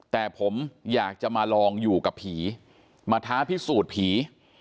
แต่ผมอยากจะมาลองอยู่กับผีมาท้าพิสูจน์ผี